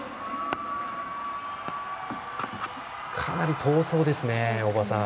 かなり遠そうですね、大場さん。